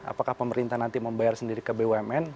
apakah pemerintah nanti membayar sendiri ke bumn